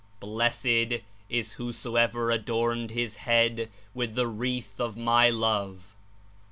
"Blessed is whosoever adorned his head with the wreath of My Love!"